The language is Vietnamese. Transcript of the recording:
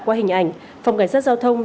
qua hình ảnh phòng cảnh sát giao thông